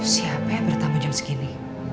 siapa yang bertamu jam segini